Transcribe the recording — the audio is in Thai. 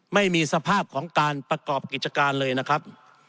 ไม่มีสภาพของการประกอบกิจการเลยนะครับ